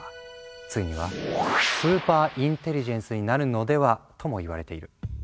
ついには「スーパーインテリジェンス」になるのでは？ともいわれている。